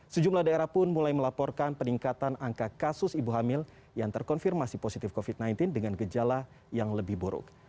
sejumlah daerah pun mulai melaporkan peningkatan angka kasus ibu hamil yang terkonfirmasi positif covid sembilan belas dengan gejala yang lebih buruk